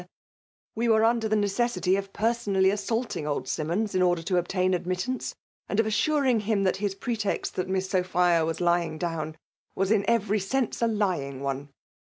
*' We were under the necessity of personally assaulting old Simmons in order to obtain admittance, and of assuring him that his pretext that 'Miss Sophia vras lying down' was in every sense a lying one.